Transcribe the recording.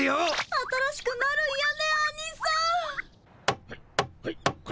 新しくなるんやねアニさん。